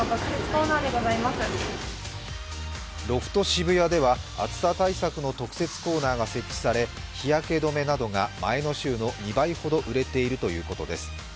渋谷では暑さ対策の特設コーナーが設置され日焼け止めなどが前の週の２倍ほど売れているということです。